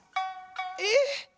ええ。